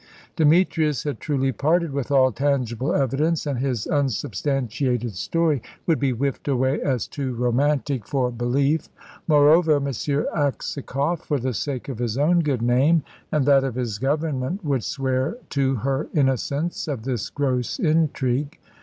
Demetrius had truly parted with all tangible evidence, and his unsubstantiated story would be whiffed away as too romantic for belief. Moreover, M. Aksakoff, for the sake of his own good name, and that of his Government, would swear to her innocence of this gross intrigue.